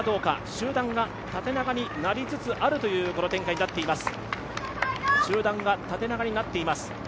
集団が縦長になりつつあるというこの展開になっています。